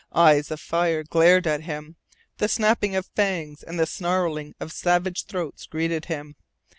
Eyes of fire glared at him. The snapping of fangs and the snarling of savage throats greeted him.